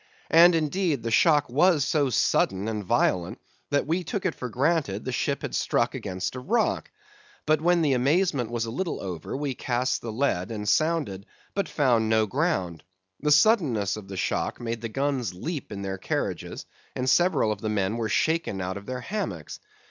And, indeed, the shock was so sudden and violent, that we took it for granted the ship had struck against a rock; but when the amazement was a little over, we cast the lead, and sounded, but found no ground. The suddenness of the shock made the guns leap in their carriages, and several of the men were shaken out of their hammocks.